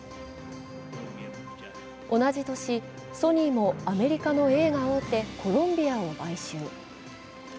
同じ年、ソニーもアメリカの映画大手・コロンビアを買収。